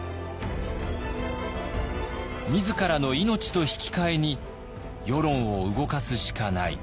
自らの命と引き換えに世論を動かすしかない。